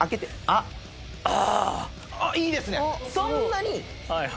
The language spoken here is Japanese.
あっいいですね。